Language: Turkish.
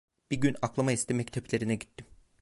Bir gün aklıma esti mekteplerine gittim.